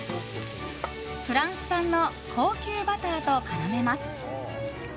フランス産の高級バターと絡めます。